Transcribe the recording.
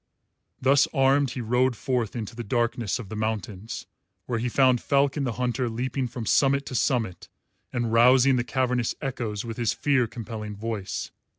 Thus armed he rode forth into the darkness of the mountains, where he found Falcon the Hunter leaping from summit to summit and rousing the cavernous echoes with his fear compelling voice.